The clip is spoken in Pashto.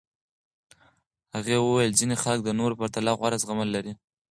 هغې وویل ځینې خلک د نورو پرتله غوره زغمل لري.